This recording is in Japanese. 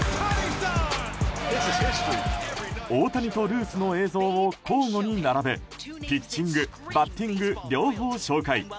大谷とルースの映像を交互に並べピッチング、バッティング両方紹介。